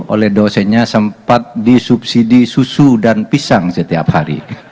oleh dosennya sempat disubsidi susu dan pisang setiap hari